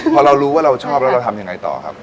พอเรารู้ว่าเราชอบแล้วเราทำยังไงต่อครับ